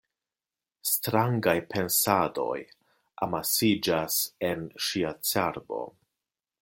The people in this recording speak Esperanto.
Strangaj pensadoj amasiĝas en ŝia cerbo.